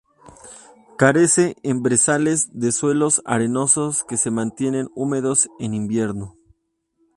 Crece en brezales de suelos arenosos que se mantienen húmedos en invierno.